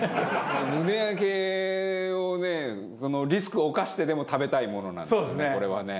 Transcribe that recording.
胸焼けをねそのリスクを冒してでも食べたいものなんですこれはね。